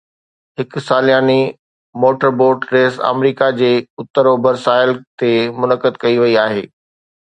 هڪ سالياني motor boat race آمريڪا جي اتر اوڀر ساحل تي منعقد ڪئي وئي آهي